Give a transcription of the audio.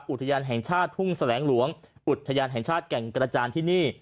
อุทยานแห่งชาติทุ่งแสลงหลวงอุทยานแห่งชาติแก่งกระจานที่นี่